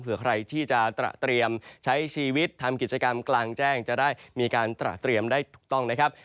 เผื่อใครที่จะเตรียมใช้ชีวิตทำกิจกรรมกลางแจ้งจะได้มีการตระเตรียมได้ถูกต้องนะครับ